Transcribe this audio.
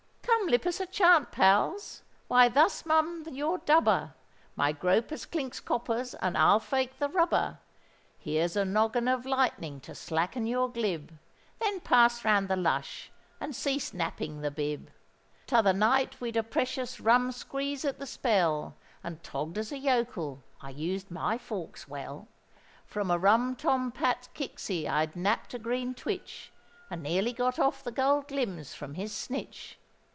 Come, lip us a chant, pals! Why thus mum your dubber! My gropus clinks coppers, and I'll fake the rubber: Here's a noggin of lightning to slacken your glib;— Then pass round the lush, and cease napping the bib. T'other night we'd a precious rum squeeze at the Spell, And, togg'd as a yokel, I used my forks well; From a Rum Tom Pat's kickseys I knapp'd a green twitch, And nearly got off the gold glims from his snitch.